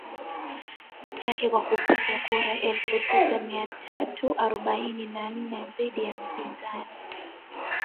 chake kwa kupata kura elfu tisa mia tatu arobaini na nne dhidi ya mpinzani